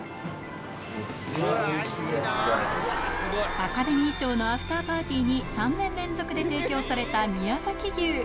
アカデミー賞のアフターパーティーに３年連続で提供された宮崎牛